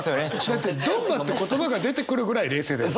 だって鈍磨って言葉が出てくるぐらい冷静だよね。